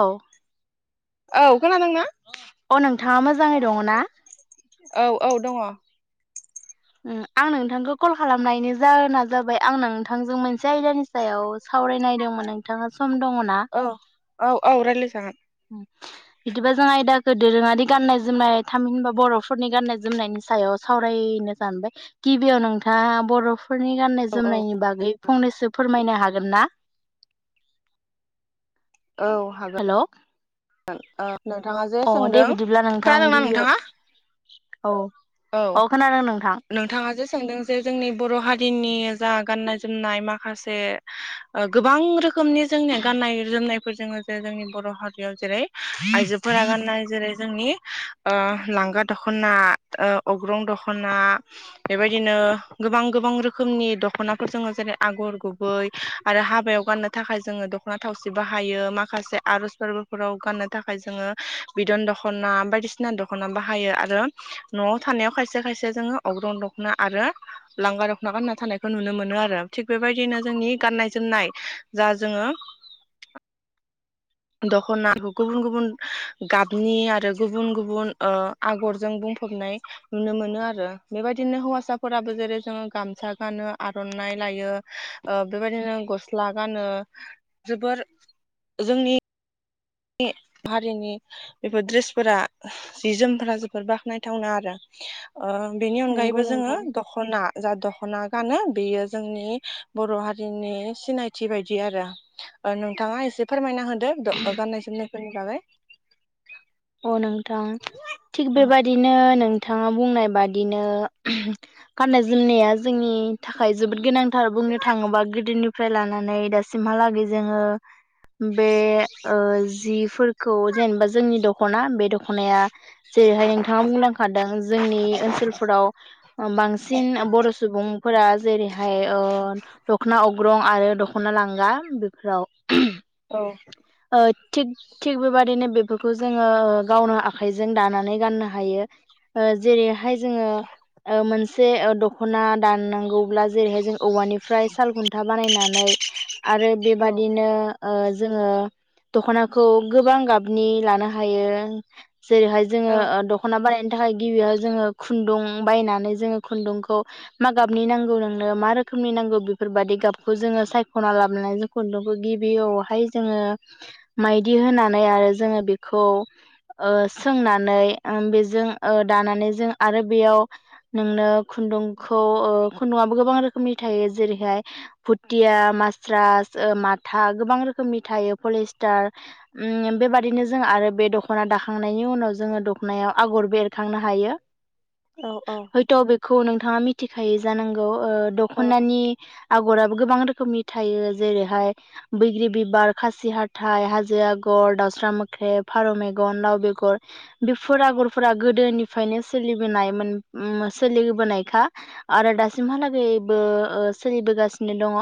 औ। औ खोनादोंना? अ नोंथाङा मोजाङै दङ ना? औ औ दङ उम आं नोंथांखौ कल खालामनायनि जाहोना जाबाय आं नोंथांजों मोन जायगानि सायाव सावरायनायदोंमोन नोंथाङा सम दङ ना? औ औ रायज्लायजागोन बिदिबा जों आयदाखौ दोरोङारि गाननाय जोमनाय थामहिनबा बर'फोरनि गाननाय जोमनायनि सायाव सावरायनो सानबाय गिबियाव नोंथाङा बर'फ फोरनि गाननाय औ औ जोमनायनि बागै फंनैसो फोरमायनो हागोन ना? औ हागोन। हेल' हागोन। अह नोंथाङा जे अ दे सोंदों बिदिब्ला नोंथां खोनादोंना गिबियाव नोंथाङा? औ खोनादों नोंथां औ नोंथाङा जे सोंदों जे जोंनि बर' हारिनि जा गाननाय जोमनाय माखासे ओ गोबां रोखोमनि जोंनि गाननाय जोमनायफोरजों जोङो जे जोंनि बर' हारियाव जेरै आइजोफोरा गाननाय जेरै जोंनि ओ लांगा दखना ओ अग्रं दख'ना बेबायदिनो गोबां गोबां रोखोमनि दख'नाफोर जोङो जेरै आगर गुबै आरो हाबायाव गाननो थाखाय जोङो दख'ना थावसि बाहायो माखासे आर'ज फोरबोफोराव गाननो थाखाय जोङो बिदन दख'ना बायदिसिना दख'ना बाहायो आरो न'आव थानायाव खायसे खायसे जोङो अग्रं दखना आरो लांगा दखना गानना थानायखौ नुनो मोनोआरो थिग बेबायदिनो जोंनि गान्नाय जोमनाय जा जोङो दखना गुबुन गुबुन गाबनि आरो गुबुन गुबुन ओ आगरजों बुंफबनाय नुनो मोनो आरो बेबायदिनो हौवासाफोराबो जेरै जोङो गामसा गानो आर'नाइ लायो ओ बेबायदिनो गस ला गानो जोबोर जोंनि हारिनि बेफोर द्रेसफोरा जि जोमफोरा जोबोद बाखनायथावना आरो। ओ बेनि नंगौ अनगायैबो जोङो नोंथां दख'ना जा दख'ना गानो बेयो जोंनि बर' हारिनि सिनायथि बायदि आरो ओ नोंथाङा एसे फोरमायना होदो दो गाननाय जो जोमनाय फोरनि बागै। औ नों थां थिग औ बेबायदिनो नों थाङा बुंनाय बादिनो गाननाय जोमनाया जोंनि थाखाय जोबोद गोनांथार बुंनो थाङोबा गोदोनिफ्राय लानानै दासिमहालागै जोङो बे ओ जिफोरखौ जेनेबा जोंनि द दख'ना बे दख'नाया जेरैहाय नोंथाङा बुंलांखादों जोंनि ओनसोलफोराव बांसिन बर' सुबुंफोरा जेरैहाय ओ दख'ना अ ग्रं आरो दख'ना लांगा बेफोराव। औ ओ थिग थिग बेबादिनो बे फोफोस जोङो गावनो आखाइजों दानानै गाननो हायो ओ जेरै हा हाय जोङो ओ मोनस से ओ दख'ना दाननांगौब्ला जेरैहाय जों औवानिफ्राय साल खुन्था बानायनानै आरो औ बेबादिनो ओ जोङो दख'नाखौ गोबां गाबनि लानो। हायो। जेरैहाय जोङो औ ओ दख'ना बानायनो थाखाय गिबियाव जोङो खुन्दुं बायनानै जोङो खुन्दुंखौ मा गाबनि नांगौ नोंनो मा रोखोमनि नांगौ बेफोरबादि गाबखौ जोङो सायख'ना लाबोनानै खुन्दुंखौ गिबियावहाय जोङो माइदि होनानै आरो जोङो बे खौ ओ सोंनानै ओ बेजों दानानै जों आरो बेयाव नोंनो खुन्दुंखौ खुन्दुआबो गोबां रोखोमनि थायो जेरैहाय भुथिया, मास्रास, माथा गोबां रोखोमनि थायो पलिस्टार बेबादिनो जों आरो बे दख'ना दाखांनायनि उनाव जोङो दख'नायाव आगरबो एरखांनो हायो। औ हयथ' बेखौ नोंथाङा मिथिखायो जानांगौ ओ दख'नानि आगराबो गोबां रोखोमनि थायो जेरैहाय बैग्रि बिबार, खासि हाथाइ, हाजो आगर, दावउस्रा मो ख्रेब, फारौ मेगन, लाव बेर बेफोर आगर फोर गोदोनिफ्रायनो सोलिबोनायमोन। उम सोलिबोनायखा आरो दासिमहालागैबो सोलिबोगासिनो दङ।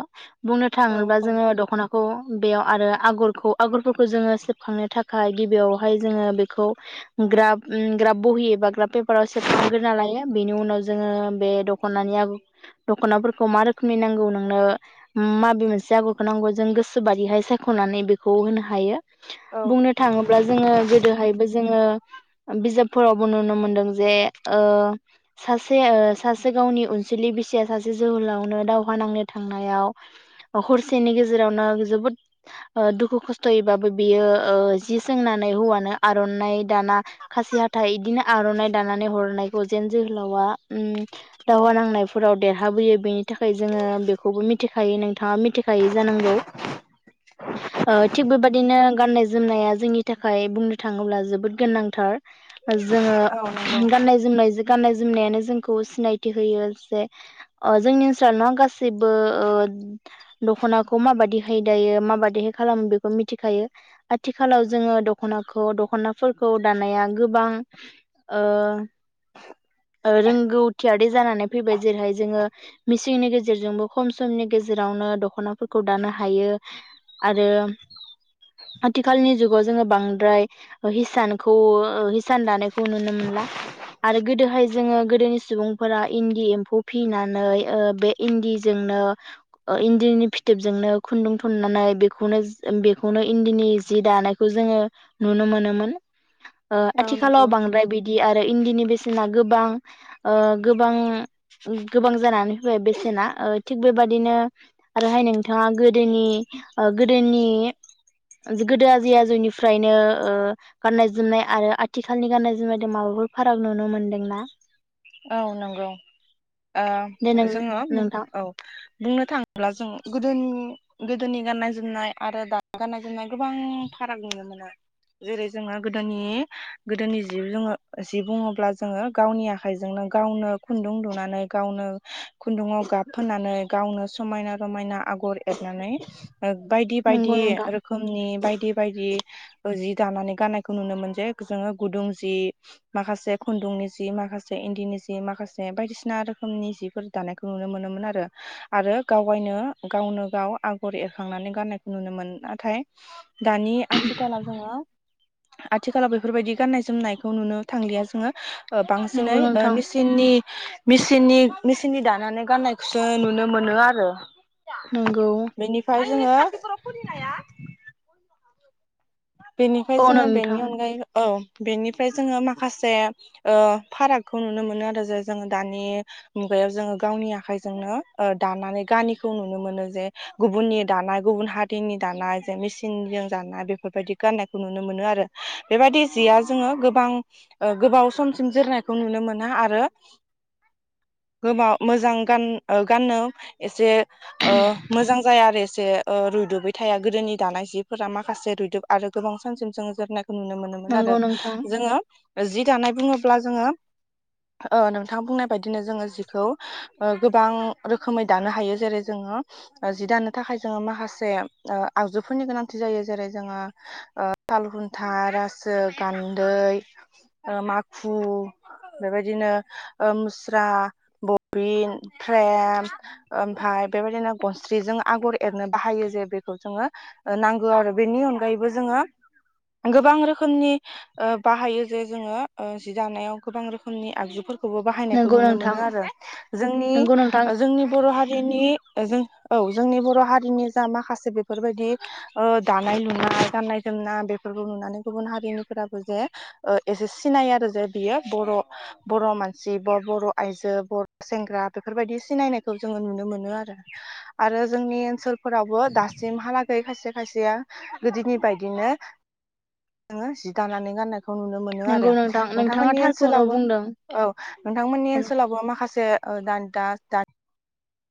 बुंनो थाङोब्ला जोङो दख'नाखौ बेयाव आरो आगरखौ आगरफोरखौ जोङो सेबखांनो था खाय गिबियावहाय जोङो बेखौ ग्राब ओम ग्राब बहि एबा ग्राब पेपाराव सेब खांग्रोना लायो बेनि उनाव जोङो बे दख'नानि आ दख'नाफोरखौ मा रोखोमनि नांगौ नोंनो माबे मोनसे आगरखौ नांगौ जों गोसोबायिहाय सायख'नानै बेखौ होनो हायो। औ बुंनो थाङोब्ला जोङो गोदोहायबो जोङो बिजाबफोरावबो नुनो मोनदों जे ओ सासे ओ सासे गावनि अनसुलि बिसिया सासे जोहोलावनो दावहा नांनो थांनायाव हरसेनि गेजेरावनो जोबोद ओ दुखु खस्थ'यैबाबो बियो। ओ जि सोंनानै हौवानो आर'नाइ दाना खासि हाथथाय इदिनो आर'नाइ दानानै हरनाय जेन जोहोलावा ओ दावहा नांनायफोराव देरहाबोयो बेनि थाखाय जोङो बेखौबो मिथिखायो नोंथाङा मिथिखायो जानांगौ। थिग बेबायदिनो गाननाय जोमनाया जोंनि थाखाय बुंनो थाङोब्ला जोबोद गोनांथार। औ जोङो गाननाय जोमनाय गाननाय जोमनायानो जोंखौ सिनायथि होयो जे ओ जोंनि ओनसोलावनो गासैबो दखनाखौ माबादिहाय दायो माबादिहाय खालामो बेखौ मिथिखायो। आथिखालाव जोङो दखनाखौ दख'नाफोरखौ दानाया गोबां ओ रोंगौथियारि जानानै फैबाय जेरैहाय जोङो मिसिंनि गेजेरजोंबो खम समनि गेजेरावनो दख'नाफोरखौ दानो हायो आरो। आथिखालनि जुगाव जोङो बांद्राय हिसानखौ ओ हिसान दानायखौ नुनो मोनला। आरो गोदोहाय जोङो गोदोनि सुबुंफोरा इन्दि एम्फौ फिनानै ओ बे इन्दिजोंनो इन्दिनि फिथोबजोंनो खुन्दुं थन्नानै बेखौनो बेखौनो इन्दिनि जि दानायखौ जोङो नुनो मोनोमोन। ओ आथिखालाव नंगौ बांद्राय बिदि आरो इन्दिनि बेसेना गोबां ओ गोबां ओ गोबां जानानै फैबाय बेसेना। ओ थिग बेबादिनो आरोहाय नोंथाङा गोदोनि ओ गोदोनि गोदो आजै आजौनिफ्रायनो ओ गाननाय जोमनाय आरो आथिखालनि गाननाय जोमनायजों माबाफोर फाराग नुनो मोनदोंना? औ नंगौ ओ दे नों जोङो नोंथां औ बुंनो थाङोब्ला जों गोदोनि गोदोनि गाननाय जोमनाय आरो दानि गाननाय जोमनाय गोबां फाराग नुनो मोनो। जेरै जोङो गोदोनि गोदोनि जि जोङो जि बुङोब्ला जोङो गावनिया आखाइजोंनो गावनो खुन्दुं दुनानै गावनो खुन्दुङाव गाब फोनानै गावनो समायना रमायना आगर एरनानै बायदि नंगौ बायदि नोंथां रोखोमनि बाय बायदि बायदि जि दानानै गाननायखौ नुनो मोन जे जोङो गुदुं जि माखासे खुन्दुंनि जि माखासे इन्दिनि जि माखासे बायदिसिना रोखोमनि जिफोर दानायखौ नुनो मोनोमोन आरो। आरो गावगायनो गावनो गाव आगर एरखांनानै गाननायखौ नुनो मोनोन नाथाय दानि आथिखालाव जोंङो आथिखालाव बेफोरबायदि गान्नाय जोमनायखौ नुनो थांलिया जोंङो ओ बांसिन नंगौ नै नोंथां मिसिननि मेसिननि मेसिननि दानानै गाननायखौसो नुनो मोनो आरो नंगौ बेनिफ्राय जोंङो बेनिफ्राय औ जोंङो नोंथां बेनि अनगायै औ बेनिफ्राय जोंङो माखासे ओ फारागखौ नुनो मोनो आरो जे जोङो दानि मुगायाव जोङो गावनि आखायजोंनो दानानै गानिखौ नुनो मोनो जे गुबुननि दानाय गुबुन हारिनि दानाय जे मिसिनजों दानाय बेफोरबायदि गाननायखौ नुनो मोनो आरो बेबायदि जिया जोंङो गोबां ओ गोबाव समसिम जोरनायखौ नुनो मोना आरो गोबाव मोजां गान -गाननो एसे ओ मोजां जाया आरो जे ओ रुदुबै थाया गोदोनि दानाय जिफोरा माखासे रुदुब आरो गोबां सानसिम जों जोरनाय खौ नुनो मोनोमोन आरो नंगौ नोंथां जोंङो जि दानाय बुङो ब्ला जोङो ओ नोंथाङा बुंनाय बायदिनो जोंङो जिखौ गोबां रोखोमै दानो हायो जेरै जोंङो जि दानो थाखाय जोंङो माखासे ओ आगजुफोरनि गोनांथि जायो जेरै जोंङो ओ साल हुन्था, रासो, गान्दै ओ माखु बेबायदिनो ओ मुस्रा, बबिन, फ्रेम ओमफाय बेबायदिनो गनस्रिजों आगर एरनो बाहायो जे बेखौ जोंङो नांगो आरो बेनि अन गायैबो जोंङो गोबां रोखोमनि ओ बाहायो जे जोंङो ओ जि दानायाव गोबां रोखोमनि आगजुफोरखौ खोबो बाहायनायखौ नंगौ नुनो नोंथां मोनो आरो जोंनि नंगौ नोंथां जोंनि बर' हारिनि जों औ जोंनि बर' हारिनि जा माखासे बेफोरबायदि ओ दानाय लुनाय गाननाय जोमना बेफोरखौ नुनानै गुबुन हारिनिफोराबो जे एसे सिनायो आरो जे बियो बर' बर' मानसि ब- बर' आइजो बर' सेंग्रा बेफोरबायदि सिनायनायखौ जोङो नुनो मोनो आरो आरो जोंनि ओनसोलफोरावबो दासिमहालागै खायसे खायसेया गोदोनि बायदिनो नोङो जि दानानै गाननाय खौ नुनो मोनो नंगौ आरो नोंथां नोंथाङा नोंथांमोननि थारखौनो ओनसोलावबो बुंदों औ नोंथांमोननि ओनसोलावबो माखासे ओ दानगा दा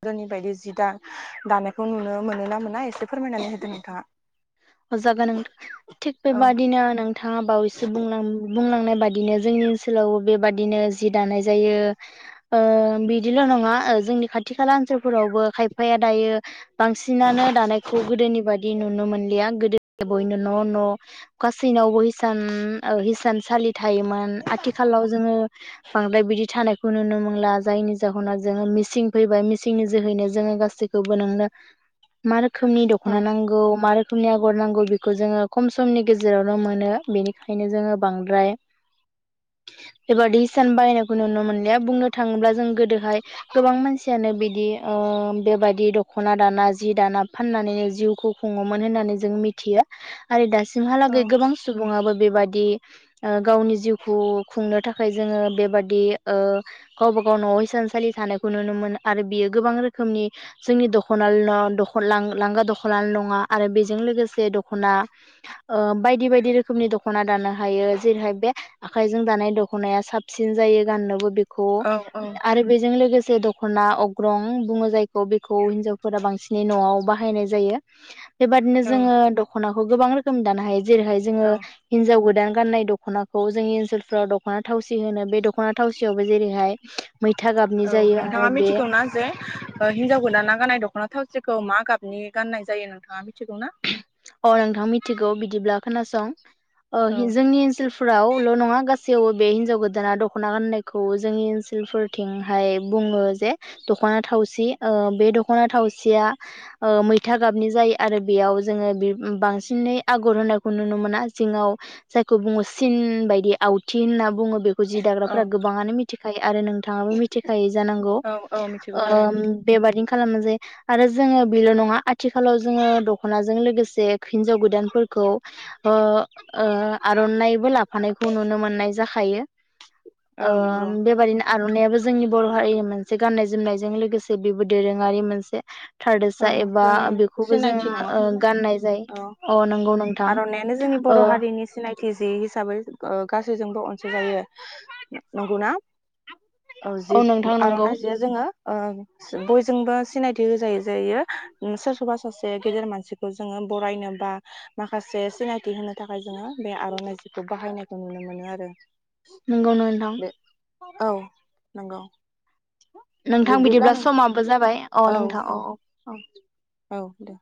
गोदोनि बायदि जि दा -दानायखौ नुनो मोनो ना मोना एसे फोरमायनानै होदो नोंथाङा होजागोन नोंथां थिक औ बेबादिनो नोंथां नोंथांङा बावैसो बुंलां- बुंलांनाय बादिनो जोंनि ओनसोलावबो बेबादिनो जि दानाय जायो ओ बिदिल' नङा जोंनि खाथि खाला ओनसोलफोरावबो खायफाया दायो बांसिनानो दानायखौ गोदोनि बादि नुनो मोनलिया गोदो बयनो न' न' गासैनावबो हिसान ओ हिसानसालि थायोमोन आथिखालाव जोङो बांद्राय बिदि थानाय खौ नुनो मोनला जायनि जाहोनाव जोङो मिसिं फैबाय मिसिंनि जोहैनो जोङो गासैखोबो नोंनो मा रोखोमनि औ दख'ना नांगौ मा रो [unintelligible] [unintelligible] खम‌‌ समनि गेजेरावनो मोनो बेनिखायनो जोङो बांद्राय बेबि हिसान बाहायनायखौ नुनो मोनाया बुंनो थाङोब्ला जों गोदोहाय गोबां मानसियानो बिदि ओ बेबदि दखना दाना जि दाना फाननानैनो जिउखौ खुङोमोन होननानै ‌जों मिथियो आरो दासिम औ जोंहालागै गोबां सुबुङाबो बे बायदि ओ गावनि जिउखौ खुंनो थाखाय थाखाय जोङो बेबादि ओ गावबा गाव न'आव थानसालि थानायखौ नुनो मोनो आरो बेयो गोबां रोखोमनि जोंनि दखना लांगा दखना नङा आरो बे जों लोगोसे दख ओ बायदि बायदि रोखोमनि दखना दानो हायो जेरैहाय बे आखायजों दानाय दखनाया साबसिन जायो गाननोबो औ औ आरो बेजों लोगोसे द दखना अग्रं बुङो जायखौ बेखौ हिनजावफोरा बांसिनै न'आव बाहायनाय जायो। जोङो दखनाखौ गोबां रोखोमनि दानो हायो। जेरैहाय जोङो औ हिनजाव गोदान गाननाय दखनाखौ जोंनि ओनसोलफ्राव दखना थावसि होनो बे दखना थावसियावबो जेरैहाय मैथा औ गाबनि जायो नोंथाङा आरो बे मिथिगौनाा जे हिनजाव गोदाना गाननाय दखना थावसि खौ मा गाबनि गाननाय जायो नोंथाङा मिथिगौ ना? अ नोंथां मिथिगौ बिदिब्ला खोनासं। औ ओ जोंनि ओनसोल फावल नङा गासैयावबो बे हिन्जाव गोदाना दखना गाननायखौ जोंनि ओनसोलफोरथिंहाय बुङो जे दखना थावसि ओ बे दखना थावसिया ओ मैथा गाबनि जायो आरो बेयाव जोङो बांसिनै आगर होननायखौ नुनो मोना जिङाव जायखौ बुङो सिन बायदि आवथि होनना बुङो। बेखौ जि औ दाग्राफ्रा गोबांङानो मिथिखायो आरो नोंथाङाबो मिथिखायो जानांगौ औ औ मिथिगौ ओ थारैनो बेबायदि खालामबानो जायो आरो जोङो बि ल नङा आथिखालाव जोङो दखनाजों लोगोसे बे हिन्जाव गोदानफोरखौ ओ ओ आरनाइबो लाफानायखौ नुनो मोननाय जाख थायो। औ ओ नंगौ बेबादिनो आर'नायाबो जोंनि बर' हारिनि मोनसे गान्नाय जोमनायजों लोगोसे बेबो दोरोङारि मोनसे। थादेनसा औ एबा जोंनि बेखौबो जोङो सिनायथि नङा ओ गाननाय जायो औ अ नंगौ नोंथां आर'नाइआनो जोंनि ओ बरहारिनि सिनायथि जि हिसाबै ओ गासै जोंबो अनसाय जायो नंगौना। औ जि नोंथां नंगौ आर'नाइ जियाव जोङो बयजोंबो सिनायथि होजायो। जायो सोरखौबा सासे गेदेर मानसिखौ जोङो बरायनो बा माखासे सिनायथि होनो थाखाय जोङो बे आर 'नाइ जिखौ बाहायनायखौ नुनो मोनो आरो। नंगौ नोंथां। बे औ नंगौ। नोंथां बिब्दिब्ला बिदिब्ला नोंथां समाबो जाबाय अ नोंथां औ औ [unintelligible] औ दे।